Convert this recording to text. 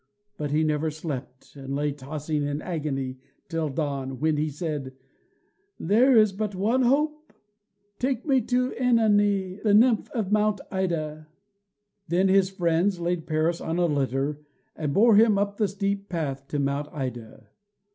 But he never slept, and lay tossing in agony till dawn, when he said: "There is but one hope. Take me to OEnone, the nymph of Mount Ida!" Then his friends laid Paris on a litter, and bore him up the steep path to Mount Ida.